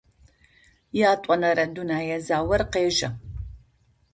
Ятӏонэрэ дунэе заор къежьэ.